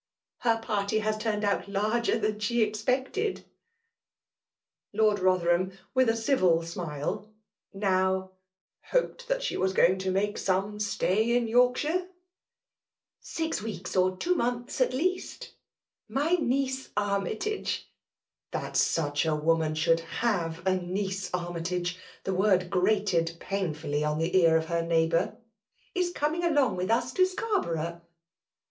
Her party has turned out larger than she expected !" Lord Botherham, with a dvil smile, n4»w l*^ hoped that she was going to make some iBtay in Yoikafaire ?'Six weeks or two months, at least, ftfy uttce Armytage (that such a woman . should ;hav» & niece Armytage ! the word grated painftiUy on the ear of her neighbour) : k eoming along with us to Scarborough."